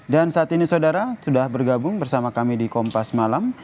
dan saat ini saudara sudah bergabung bersama kami di kompas malam